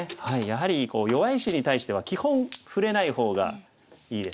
やはり弱い石に対しては基本触れない方がいいですよね。